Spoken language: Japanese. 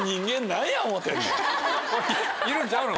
いるんちゃうの？